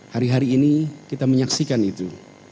hari hari ini kita menyaksikan itu